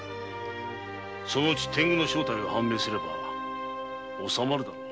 そのうち天狗の正体が判明すれば納まるだろう。